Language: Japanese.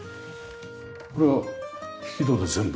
これは引き戸で全部。